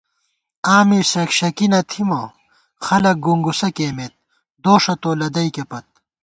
آں می شک شکی نہ تھِمہ، خلَک گُونگُوسہ کېئمېت ، دوݭہ تو لدئیکےپت